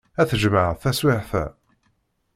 Ad t-jemɛeɣ taswiɛt-a.